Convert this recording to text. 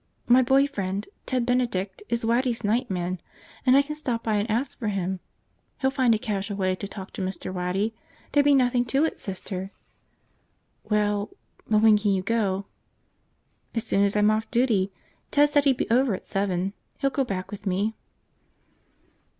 "My boy friend, Ted Benedict, is Waddy's night man, and I can stop by and ask for him. He'll find a casual way to talk to Mr. Waddy. There'd be nothing to it, Sister!" "Well ... but when can you go?" "As soon as I'm off duty. Ted said he'd be over at seven. He'll go back with me."